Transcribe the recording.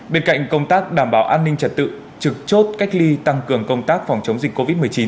bên cạnh công tác đảm bảo an ninh trật tự trực chốt cách ly tăng cường công tác phòng chống dịch covid một mươi chín